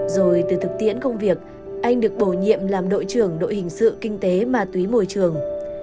rồi từ thực tiễn công việc anh được bổ nhiệm làm đội trưởng đội hình sự kinh tế ma túy môi trường